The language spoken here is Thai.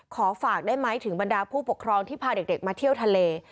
ขอฝากได้ไหมถึงบรรดาผู้ปกครองที่พาเด็กมาเที่ยวทะเล